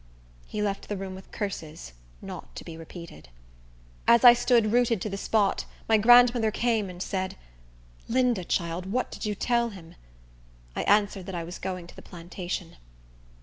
He left the room with curses, not to be repeated. As I stood rooted to the spot, my grandmother came and said, "Linda, child, what did you tell him?" I answered that I was going to the plantation.